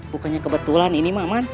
bukannya kebetulan ini mah aman